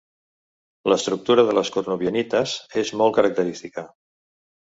L'estructura de les cornubianites és molt característica.